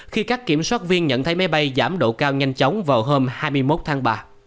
khi các kiểm soát viên nhận thấy máy bay giảm độ cao nhanh chóng vào hôm hai mươi một tháng ba